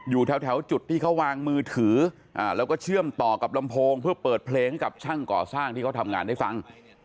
อยู่แถวจุดที่เขาวางมือถือแล้วก็เชื่อมต่อกับลำโพงเพื่อเปิดเพลงให้กับช่างก่อสร้างที่เขาทำงานได้ฟัง